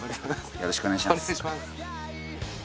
よろしくお願いします